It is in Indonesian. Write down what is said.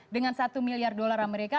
dengan satu miliar dolar amerika